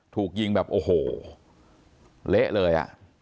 ถูกยิงแบบโอ้โหเละเลยอ่ะ